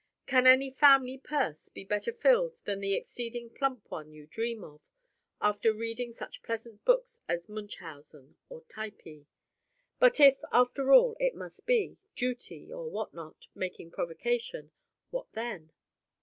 Can any family purse be better filled than the exceeding plump one you dream of, after reading such pleasant books as Munchausen or Typee? But if, after all, it must be duty, or what not, making provocation what then?